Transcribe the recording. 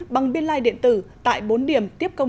bằng biên lai điện tử tại bốn điểm tiếp công